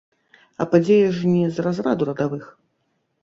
А падзея ж не з разраду радавых.